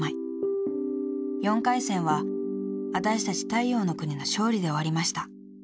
［４回戦はわたしたち太陽ノ国の勝利で終わりました］